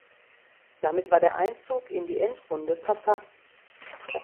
Damit war der Einzug in die Endrunde verpasst.